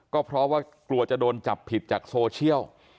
ก็เพราะว่ากลัวจะโดนจับผิดจากโซเชียล